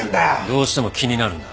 どうしても気になるんだ。